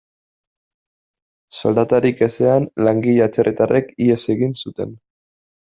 Soldatarik ezean, langile atzerritarrek ihes egin zuten.